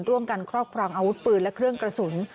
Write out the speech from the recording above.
ร่วมกันครอบครองอาวุธปืนและเครื่องกระสุน